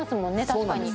確かに」